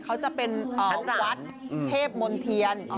เขาจะเป็นวัดเทพมนเทียน